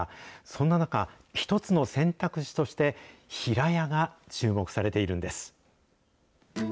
そんな中、１つの選択肢として平屋が注目されているんです。